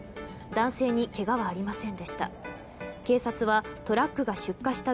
男性にけがはありませんでした。